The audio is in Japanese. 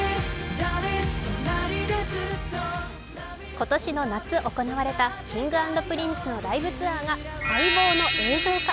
今年の夏行われた、Ｋｉｎｇ＆Ｐｒｉｎｃｅのライブツアーが待望の映像化。